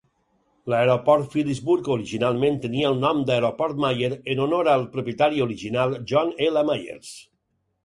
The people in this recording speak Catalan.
L'aeroport Phillipsburg originalment tenia el nom d'aeroport Myer en honor al propietari original John L. Myers.